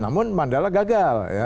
namun mandala gagal ya